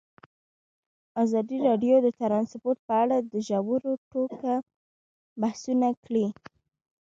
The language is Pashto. ازادي راډیو د ترانسپورټ په اړه په ژوره توګه بحثونه کړي.